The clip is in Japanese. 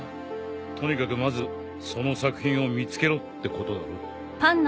とにかくまずその作品を見つけろってことだろう。